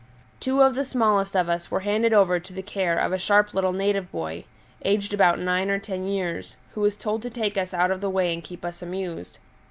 Two of the smallest of us were handed over to the care of a sharp little native boy, aged about nine or ten years, who was told to take us out of the way and keep us amused.